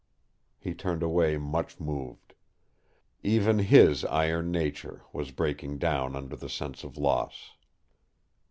He turned away much moved. Even his iron nature was breaking down under the sense of loss.